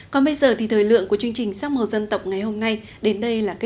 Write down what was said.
còn bây giờ thì thời lượng của chương trình sắc màu dân tộc ngày hôm nay đến đây là kết thúc